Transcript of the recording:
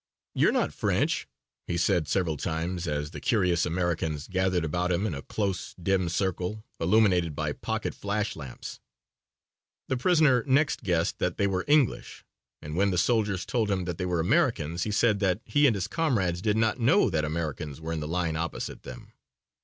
"You're not French," he said several times as the curious Americans gathered about him in a close, dim circle illuminated by pocket flash lamps. The prisoner next guessed that they were English and when the soldiers told him that they were Americans he said that he and his comrades did not know that Americans were in the line opposite them.